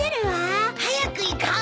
早く行こう！